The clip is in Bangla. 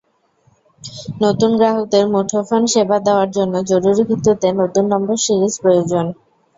নতুন গ্রাহকদের মুঠোফোন সেবা দেওয়ার জন্য জরুরি ভিত্তিতে নতুন নম্বর সিরিজ প্রয়োজন।